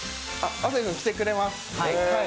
亜生さん、来てくれます。